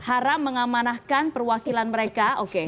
haram mengamanahkan perwakilan mereka oke